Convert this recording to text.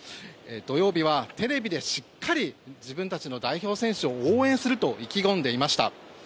土曜日はテレビでしっかり自分たちの代表選手を応援すると意気込んでいました。